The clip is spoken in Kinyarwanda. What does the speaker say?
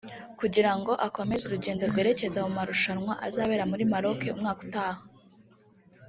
kugira ngo akomeze urugendo rwerekeza mu marushanwa azabera muri Maroke umwaka utaha